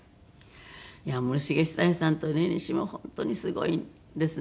いや森繁久彌さんとの縁も本当にすごいんですね。